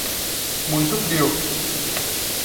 Muito frio